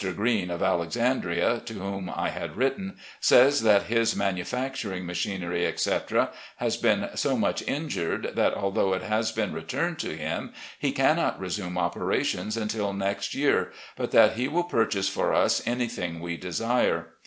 Green, of Alexandria, to whom I had written, says that his manu facturing machinery, etc., has been so much injured that, although it has been returned to him, he cannot resume operations until next year, but that he will purchase for us anything we desire.